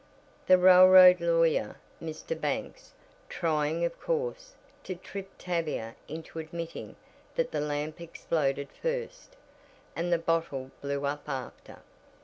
The railroad lawyer, Mr. Banks, trying of course, to trip Tavia into admitting that the lamp exploded first, and the bottle blew up after.